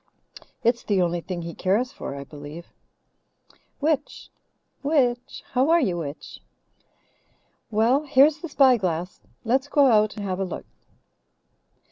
"It's the only thing he cares for, I believe. Witch! Witch! How are you, Witch? Well, here's the spyglass. Let's go out and have a look.